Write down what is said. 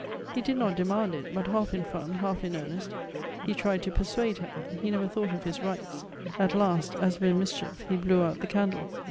He did not demand it, but half in fun, half in earnest, he tried to persuade her ; he never thought of his rights. At last, as if in mischief, he blew out the candle.